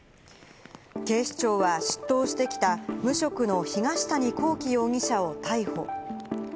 警視庁は出頭してきた無職の東谷昂紀容疑者を逮捕。